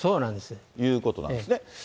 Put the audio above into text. ということなんですね。